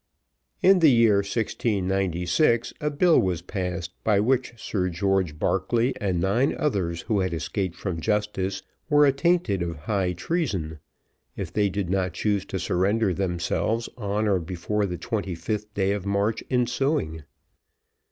In the year 1696, a bill was passed, by which Sir George Barclay and nine others who had escaped from justice, were attainted of high treason, if they did not choose to surrender themselves on or before the 25th day of March ensuing.